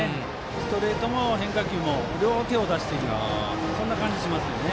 ストレートも変化球も両方、手を出しているそんな感じしますね。